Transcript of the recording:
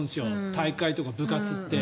体育会とか部活って。